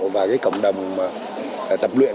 và cộng đồng tập luyện